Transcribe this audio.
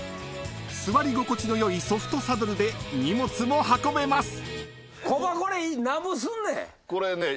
［座り心地の良いソフトサドルで荷物も運べます］